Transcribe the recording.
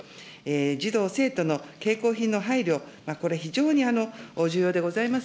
児童・生徒の携行品の配慮、これ、非常に重要でございます。